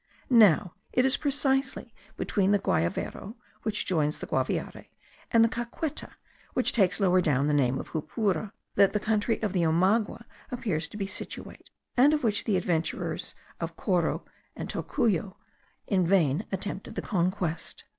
Now, it is precisely between the Guayavero (which joins the Guaviare) and the Caqueta (which takes lower down the name of Japura) that the country of the Omagua appears to be situate, of which the adventurers of Coro and Tocuyo in vain attempted the conquest.